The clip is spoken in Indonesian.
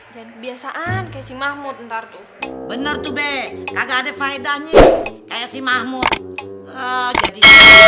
jangan kebiasaan kecing mahmud ntar tuh bener tuh be kagak ada faedahnya kayak si mahmud jadi